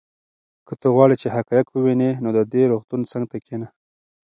که ته غواړې چې حقایق ووینې نو د دې روغتون څنګ ته کښېنه.